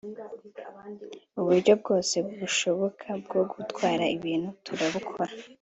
uburyo bwose bushoboka bwo gutwara ibintu turabukora